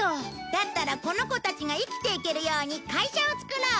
だったらこの子たちが生きていけるように会社を作ろう！